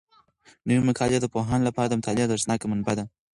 نوي مقالې د پوهانو لپاره د مطالعې ارزښتناکه منبع ده.